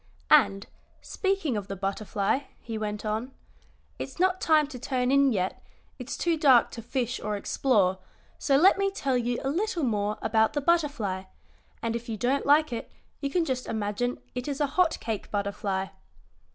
"And, speaking of the butterfly," he went on, "it's not time to turn in yet, it's too dark to fish or explore, so let me tell you a little more about the butterfly, and if you don't like it you can just imagine it is a hot cake butterfly."